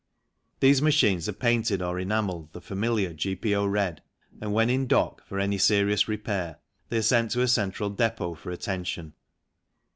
These machines are painted or enamelled the familiar G.P.O. red, and when in dock for any serious repair they are sent to a central depot for attention.